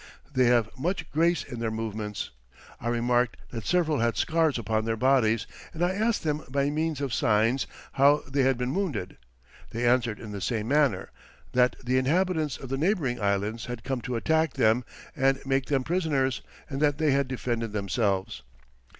They have much grace in their movements. I remarked that several had scars upon their bodies, and I asked them by means of signs, how they had been wounded. They answered in the same manner, that the inhabitants of the neighbouring islands had come to attack them, and make them prisoners, and that they had defended themselves.